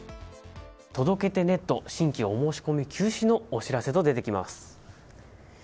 届けてネット新規お申し込み休止のお知らせと出てきます。